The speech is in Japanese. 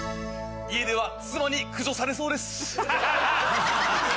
家では妻に駆除されそうです。